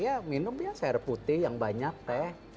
ya minum ya sayur putih yang banyak teh